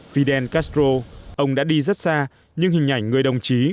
fidel castro ông đã đi rất xa nhưng hình ảnh người đồng chí